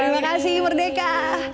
terima kasih merdeka